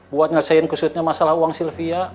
buat nyelesaikan khususnya masalah uang sylvia